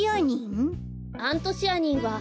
アントシアニン？